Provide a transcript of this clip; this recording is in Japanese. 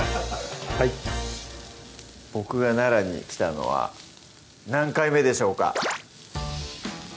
はい僕が奈良に来たのは何回目でしょうか？